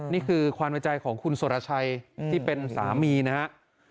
นี่คือความในใจของคุณสุรชัยที่เป็นสามีนะครับ